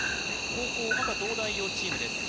後攻赤東大王チームです